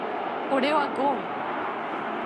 俺はゴン。